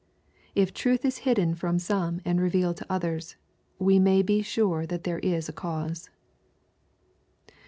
If truth is bidden from some and revealed to others, we may be sure that there is a cause.